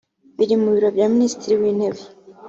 biri mu biro bya minisitiri w’intebe